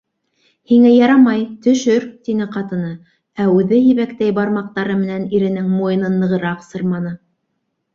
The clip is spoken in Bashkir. Һиңә ярамай, төшөр! - тине ҡатыны, ә үҙе ебәктәй бармаҡтары менән иренең муйынын нығыраҡ сырманы.